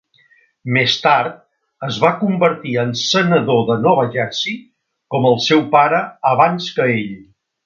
Més tard es va convertir en senador de Nova Jersey, com el seu pare abans que ell.